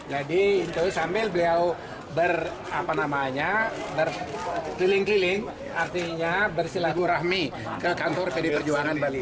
jadi itu sambil beliau ber apa namanya berkeliling keliling artinya bersilaku rahmi ke kantor pdi perjuangan bali